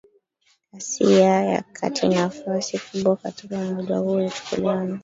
Asia ya Kati Nafasi kubwa katika umoja huo ilichukuliwa na